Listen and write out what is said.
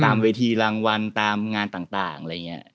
เวทีรางวัลตามงานต่างอะไรอย่างนี้